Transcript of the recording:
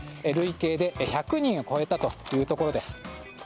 累計で１００人を超えたというところです。